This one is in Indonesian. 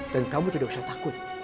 dan kamu tidak usah takut